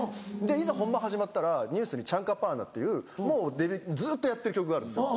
いざ本番始まったらＮＥＷＳに『チャンカパーナ』っていうずっとやってる曲があるんですよ